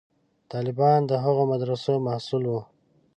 طالبان د هغو مدرسو محصول وو.